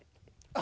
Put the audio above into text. あ。